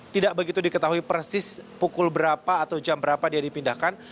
tidak begitu diketahui persis pukul berapa atau jam berapa dia dipindahkan